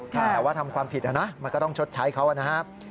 แต่ว่าทำความผิดนะมันก็ต้องชดใช้เขานะครับ